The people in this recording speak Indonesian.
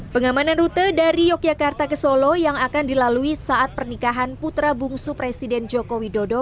pengamanan rute dari yogyakarta ke solo yang akan dilalui saat pernikahan putra bungsu presiden joko widodo